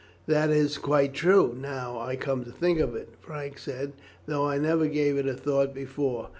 "That is quite true, now I come to think of it," Frank said; "though I never gave it a thought before.